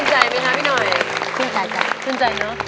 ชื่นใจเนอะ